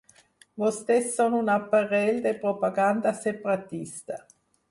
Vostès són un aparell de propaganda separatista.